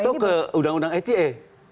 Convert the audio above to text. atau ke undang undang eta